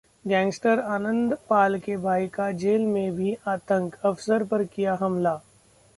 gangster Anandpal के भाई का जेल में भी आतंक, अफसर पर किया हमला